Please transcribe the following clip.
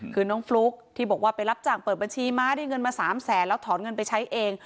คือน้องฟลุ๊กที่บอกว่าไปรับจ้างเปิดบัญชีม้าได้เงินมา๓แสนแล้วถอนเงินไปใช้เอง